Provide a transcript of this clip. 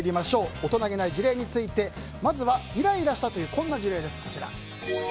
大人げない事例についてまずは、イライラしたというこんな事例です。